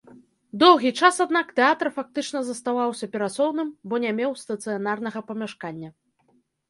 Доўгі час, аднак, тэатр фактычна заставаўся перасоўным, бо не меў стацыянарнага памяшкання.